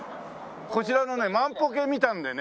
こちらのね万歩計見たのでね。